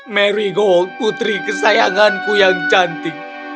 mary gold putri kesayanganku yang cantik